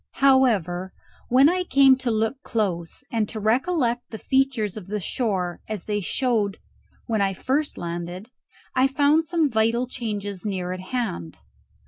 However, when I came to look close, and to recollect the features of the shore as they showed when I first landed, I found some vital changes near at hand.